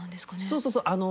そうそうそう。